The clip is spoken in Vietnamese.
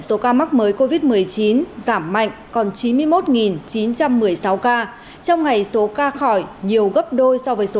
số ca mắc mới covid một mươi chín giảm mạnh còn chín mươi một chín trăm một mươi sáu ca trong ngày số ca khỏi nhiều gấp đôi so với số